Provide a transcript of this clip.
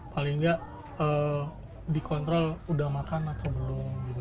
paling tidak dikontrol sudah makan atau belum